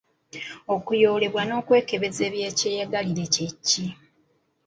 Okulyoyebwa n’okwekebeza ebya kyeyagalire kye ki?